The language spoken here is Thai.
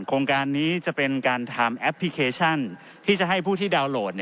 โครงการนี้จะเป็นการทำแอปพลิเคชันที่จะให้ผู้ที่ดาวนโหลด